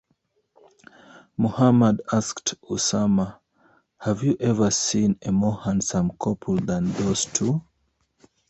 Muhammad asked Usama, Have you ever seen a more handsome couple than those two?